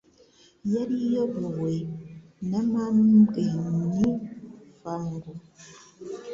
yari iyobowe na Mambweni Vangu,